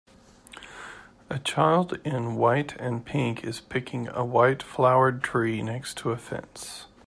A child in white and pink is picking a white flowered tree next to a fence.